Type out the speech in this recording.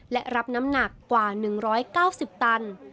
และรับน้ำหนักกว่า๑๙๐ตัน